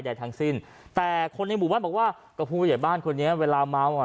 ใดทั้งสิ้นแต่คนในหมู่บ้านบอกว่าก็ผู้ใหญ่บ้านคนนี้เวลาเมาอ่ะ